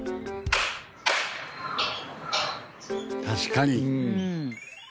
確かに。